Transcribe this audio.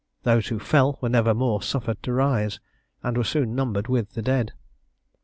Those who fell were never more suffered to rise, and were soon numbered with the dead.